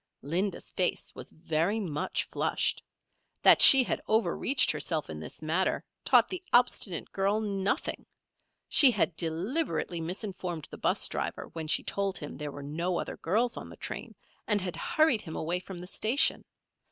Linda's face was very much flushed. That she had overreached herself in this matter, taught the obstinate girl nothing. She had deliberately misinformed the 'bus driver, when she told him there were no other girls on the train, and had hurried him away from the station.